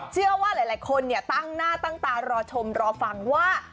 เชื่อว่าหลายคนตั้งหน้าตั้งตารอชมรอฟังว่า